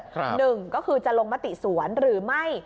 หนึ่งก็คือจะลงมติสวนหรือไม่